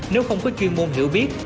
nếu không có chuyên môn hiểu biết